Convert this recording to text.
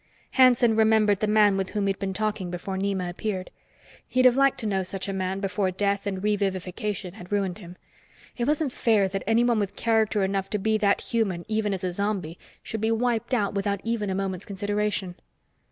Hanson remembered the man with whom he'd been talking before Nema appeared. He'd have liked to know such a man before death and revivification had ruined him. It wasn't fair that anyone with character enough to be that human even as a zombie should be wiped out without even a moment's consideration.